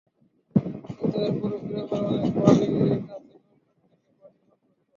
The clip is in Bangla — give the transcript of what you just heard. কিন্তু এরপরও গ্রামের অনেকে বাড়ির কাছের নলকূপ থেকে পানি পান করত।